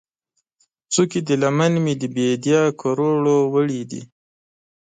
څوکې د لمن مې، د بیدیا کروړو ، وړې دي